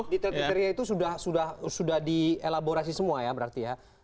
di teritori itu sudah dielaborasi semua ya berarti ya